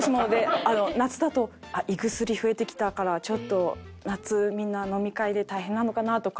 夏だと胃薬増えてきたからちょっと夏みんな飲み会で大変なのかなとか。